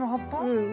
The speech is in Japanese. うん。